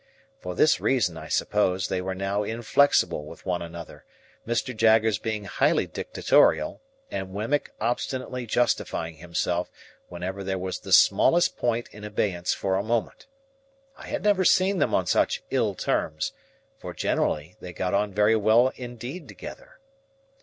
For this reason, I suppose, they were now inflexible with one another; Mr. Jaggers being highly dictatorial, and Wemmick obstinately justifying himself whenever there was the smallest point in abeyance for a moment. I had never seen them on such ill terms; for generally they got on very well indeed together.